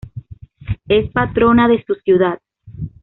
Es patrona de su ciudad.